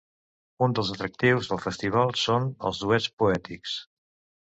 Un dels atractius del festival són els duets poètics.